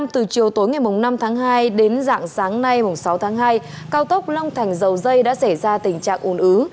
từ chiều tối ngày năm tháng hai đến dạng sáng nay sáu tháng hai cao tốc long thành dầu dây đã xảy ra tình trạng ồn ứ